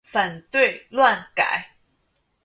反对乱改！